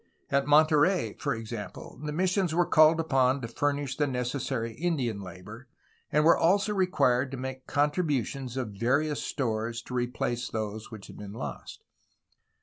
At Monterey, for example, the mis sions were called upon to furnish the necessary Indian labor, and were also required to make contributions of various stores to replace those which had been lost.